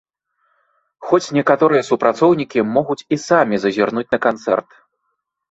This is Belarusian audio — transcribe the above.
Хоць некаторыя супрацоўнікі могуць і самі зазірнуць на канцэрт.